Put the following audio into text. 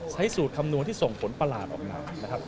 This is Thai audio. ใช้สูตรคำนวณที่ส่งผลประหลาดออกมานะครับ